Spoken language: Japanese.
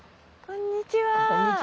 こんにちは。